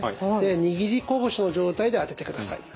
握りこぶしの状態で当ててください。